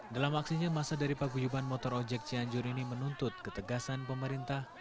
dalam aksinya masa dari paguyuban motor ojek cianjur ini menuntut ketegasan pemerintah